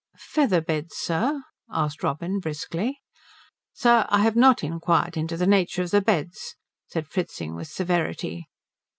"Feather beds, sir?" asked Robin briskly. "Sir, I have not inquired into the nature of the beds," said Fritzing with severity.